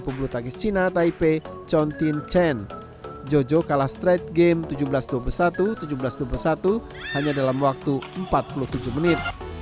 pembulu tangkis cina taipei chon tin chen jojo kalah straight game tujuh belas dua puluh satu tujuh belas dua puluh satu hanya dalam waktu empat puluh tujuh menit